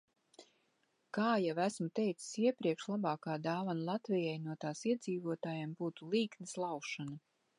Kā jau esmu teicis iepriekš, labākā dāvana Latvijai no tās iedzīvotājiem būtu līknes laušana.